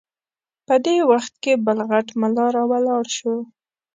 په دې وخت کې بل غټ ملا راولاړ شو.